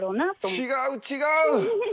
違う違う！